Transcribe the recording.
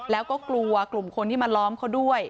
แล้วก็กลัวกลุ่มคนที่มาล้อมเขาด้วย